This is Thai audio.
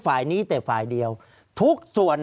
ภารกิจสรรค์ภารกิจสรรค์